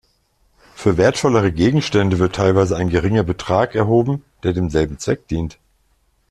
Für wertvollere Gegenstände wird teilweise ein geringer Betrag erhoben, der demselben Zweck dient.